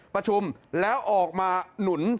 ประชุมแล้วออกมาหนุน